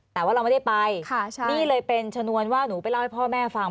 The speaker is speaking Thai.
แต่ว่าเราไม่ได้ไปนี่เลยเป็นชนวนว่าหนูไปเล่าให้พ่อแม่ฟัง